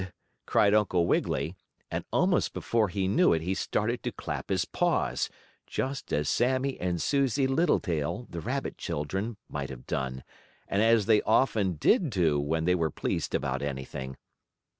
cried Uncle Wiggily, and almost before he knew it he started to clap his paws, just as Sammie and Susie Littletail, the rabbit children, might have done, and as they often did do when they were pleased about anything.